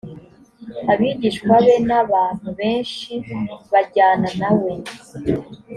abigishwa be n abantu benshi bajyana na we